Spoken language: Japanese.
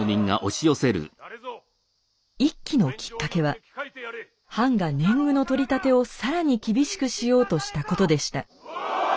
一揆のきっかけは藩が年貢の取り立てを更に厳しくしようとしたことでした。